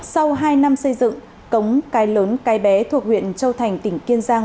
sau hai năm xây dựng cống cái lớn cái bé thuộc huyện châu thành tỉnh kiên giang